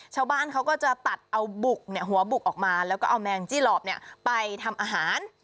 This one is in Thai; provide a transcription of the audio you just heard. ชาวบ้านเขาก็จะตัดเอาบุกหัวบุกออกมาแล้วก็เอาแมงจี้หลอบไปทำอาหาร